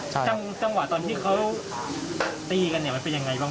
จังหวะตอนที่เขาตีกันมันมันไปอย่างไรบ้าง